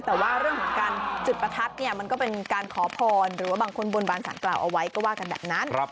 แต่ว่าเรื่องของการจุดประทัดเนี่ยมันก็เป็นการขอพรหรือว่าบางคนบนบานสารกล่าวเอาไว้ก็ว่ากันแบบนั้น